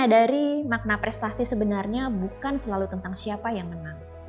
dari makna prestasi sebenarnya bukan selalu tentang siapa yang menang